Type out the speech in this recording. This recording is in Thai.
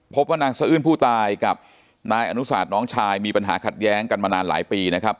พบว่านางสะอื้นผู้ตายกับนายอนุสาทน้องชายมีปัญหาขัดแย้งกันมานานหลายปีนะครับ